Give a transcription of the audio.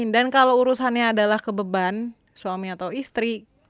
dan kalau urusannya adalah ke beban suami atau istri